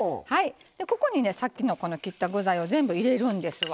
ここにねさっきの切った具材を全部入れるんですわ。